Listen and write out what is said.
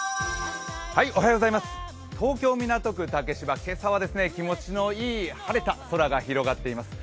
東京・港区竹芝、今朝は気持ちのいい晴れた空が広がっています。